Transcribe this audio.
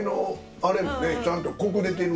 あれもねちゃんとコク出てる。